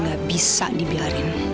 nggak bisa dibiarin